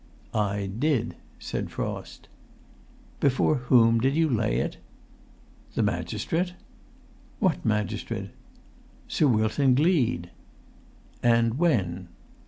"I did," said Frost. "Before whom did you 'lay' it?" "The magistrate." "What magistrate?" "Sir Wilton Gleed." "And when?"